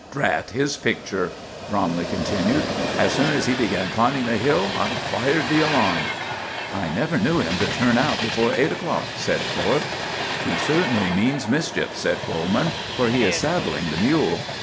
Drat his picture!" Bromley continued. "As soon as he began climbing the hill I fired the alarm." "I never knew him to turn out before eight o'clock," said Philip. "He certainly means mischief," said Coleman, "for he is saddling the mule.